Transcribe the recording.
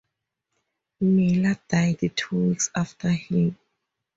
Miller died two weeks after him.